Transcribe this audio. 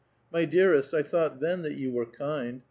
" My dearest, I thought then that you were kind.